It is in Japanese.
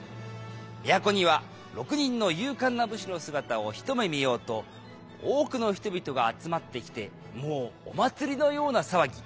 都には６人の勇敢な武士の姿を一目見ようと多くの人々が集まってきてもうお祭りのような騒ぎ。